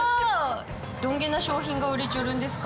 どんげな商品が売れちょるんですか？